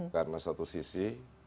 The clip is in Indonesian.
karena satu sisi